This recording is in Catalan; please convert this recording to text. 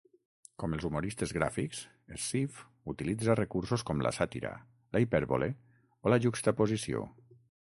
Com els humoristes gràfics, Escif utilitza recursos com la sàtira, la hipèrbole o la juxtaposició.